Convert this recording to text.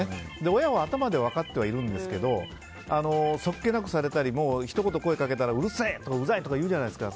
親は頭では分かっているんですが素っ気なくされたりひと言声掛けたらうるせえとか、うざいとか言うじゃないですか。